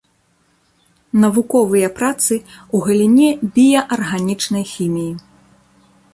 Навуковыя працы ў галіне біяарганічнай хіміі.